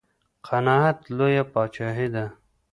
قناعت لويه پاچاهي ده.